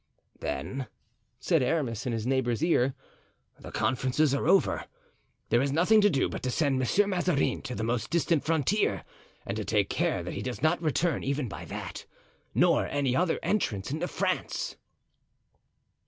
"Then," said Aramis, in his neighbor's ear, "the conferences are over. There is nothing to do but to send Monsieur Mazarin to the most distant frontier and to take care that he does not return even by that, nor any other entrance into France."